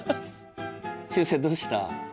しゅうせいどうした？